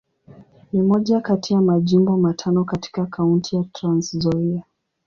Ni moja kati ya Majimbo matano katika Kaunti ya Trans-Nzoia.